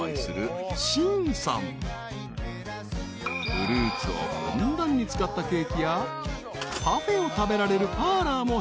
［フルーツをふんだんに使ったケーキやパフェを食べられるパーラーも併設］